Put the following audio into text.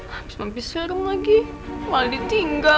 habis mampir serem lagi malah ditinggal